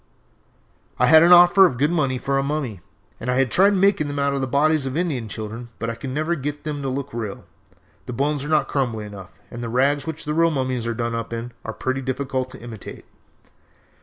"I had an offer of good money for a mummy, and had tried making them from the bodies of Indian children, but I never could get them to look real. The bones are not crumbly enough, and the rags which the real mummies are done up in are pretty difficult to imitate.